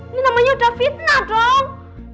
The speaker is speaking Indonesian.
ini namanya udah fitnah dong